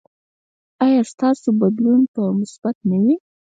ایا ستاسو بدلون به مثبت نه وي؟